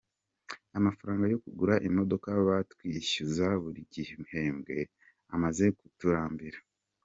Amafaranga yo kugura imodoka batwishyuza buri gihembwe amaze kuturambira”.